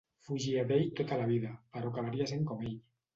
Fugia d'ell tota la vida, però acabaria sent com ell.